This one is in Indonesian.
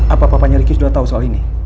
apa apanya riki sudah tau soal ini